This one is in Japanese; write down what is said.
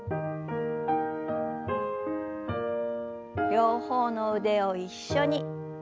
両方の腕を一緒に。